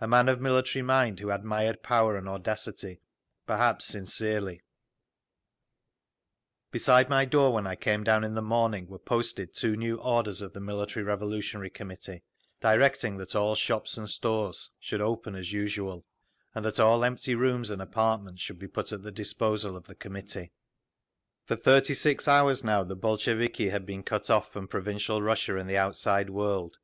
A man of military mind, who admired power and audacity, perhaps sincerely…. Beside my door when I came down in the morning were posted two new orders of the Military Revolutionary Committee, directing that all shops and stores should open as usual, and that all empty rooms and apartments should be put at the disposal of the Committee…. For thirty six hours now the Bolsheviki had been cut off from provincial Russia and the outside world.